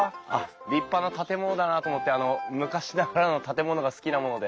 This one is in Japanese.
立派な建物だなと思ってあの昔ながらの建物が好きなもので。